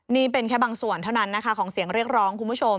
นี่เป็นแค่บางส่วนเท่านั้นนะคะของเสียงเรียกร้องคุณผู้ชม